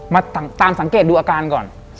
มาตามสังเกตดูอาการก่อน